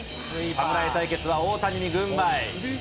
侍対決は大谷に軍配。